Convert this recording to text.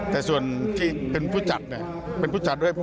แต่ส่วนที่เป็นผู้จัดเนี่ยเป็นผู้จัดด้วย